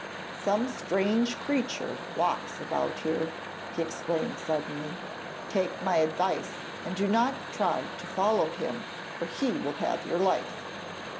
'Some strange creature walks about here,' he exclaimed suddenly. 'Take my advice and do not try to follow him or he will have your life.'